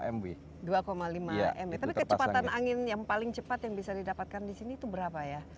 tapi kecepatan angin yang paling cepat yang bisa didapatkan di sini itu berapa ya